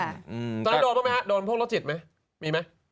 ตอนนี้โดนพวกมั้ยฮะโดนพวกรถจิตมั้ยมีมั้ย